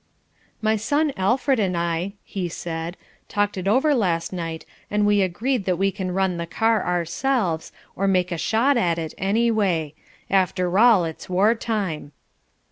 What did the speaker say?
"My son Alfred and I," he said, "talked it over last night and we agreed that we can run the car ourselves, or make a shot at it anyway. After all, it's war time."